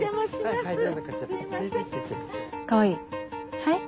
はい？